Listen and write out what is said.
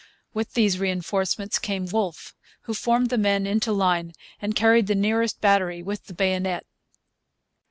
With these reinforcements came Wolfe, who formed the men into line and carried the nearest battery with the bayonet.